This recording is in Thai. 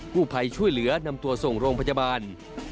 ผู้ภัยช่วยเหลือนำตัวส่งโรงพยาบาล